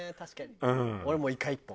俺もうイカ一本！